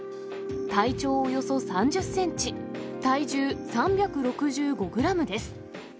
体長およそ３０センチ、体重３６５グラムです。